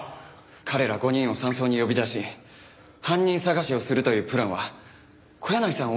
彼ら５人を山荘に呼び出し犯人捜しをするというプランは小柳さん